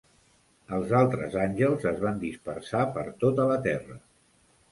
Els altres àngels es van dispersar per tota la Terra.